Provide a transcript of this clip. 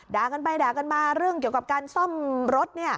ด่ากันไปด่ากันมาเรื่องเกี่ยวกับการซ่อมรถ